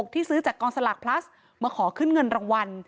ที่ซื้อจากกองสลากพลัสมาขอขึ้นเงินรางวัล